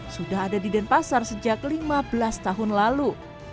sudah ada di denpasar sejak lima belas tahun lalu